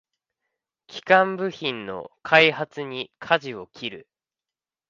基幹部品の開発にかじを切る